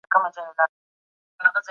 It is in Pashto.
موږ باید د یو بل د حقونو ساتنه وکړو.